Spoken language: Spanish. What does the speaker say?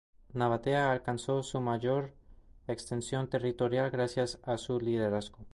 Nabatea alcanzó su mayor extensión territorial gracias a su liderazgo.